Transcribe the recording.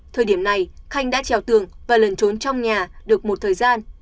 thời điểm này khanh đã trèo tường và lần trốn trong nhà được một thời gian